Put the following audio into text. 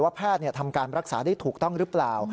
แพทย์ทำการรักษาได้ถูกต้องหรือเปล่า